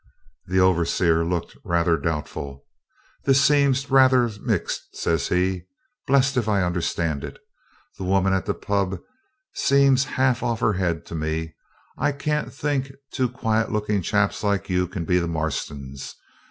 The overseer looked rather doubtful. 'This seems rather mixed,' says he. 'Blest if I understand it. That woman at the pub seems half off her head to me. I can't think two quiet looking chaps like you can be the Marstons.